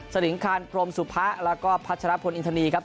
ลิงคานพรมสุพะแล้วก็พัชรพลอินทนีครับ